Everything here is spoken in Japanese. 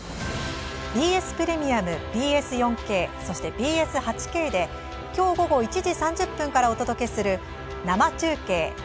ＢＳプレミアム、ＢＳ４ＫそしてＢＳ８Ｋできょう午後１時３０分からお届けする「生中継！